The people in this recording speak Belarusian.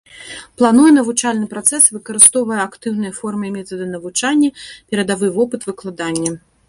Плануе навучальны працэс, выкарыстоўвае актыўныя формы і метады навучання, перадавы вопыт выкладання.